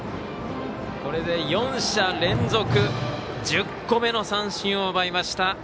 これで４者連続１０個目の三振を奪いました。